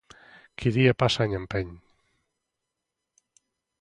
Qui dia passa, any empeny.